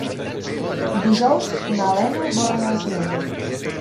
Dijous na Lena vol anar al cinema.